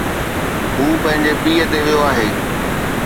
هو پنهنجي پيءُ تي ويو آھي